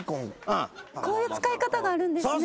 こういう使い方があるんですね。